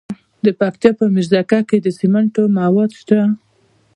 د پکتیا په میرزکه کې د سمنټو مواد شته.